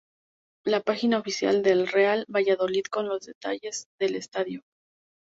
Página oficial del Real Valladolid con los detalles del estadio